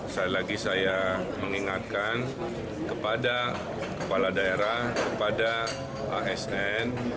sekali lagi saya mengingatkan kepada kepala daerah kepada asn